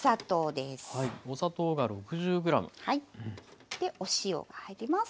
でお塩が入ります。